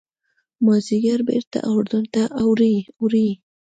مازیګر بېرته اردن ته اوړي.